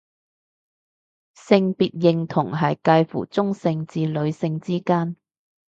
性別認同係界乎中性至女性之間